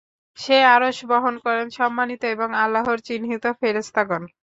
যে আরশ বহন করেন সম্মানিত এবং আল্লাহর চিহ্নিত ফেরেশতাগণ।